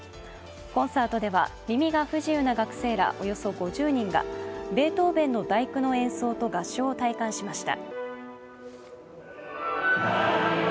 コンサートでは耳が不自由な学生らおよそ５０人がベートーヴェンの「第九」の演奏と合唱を体感しました。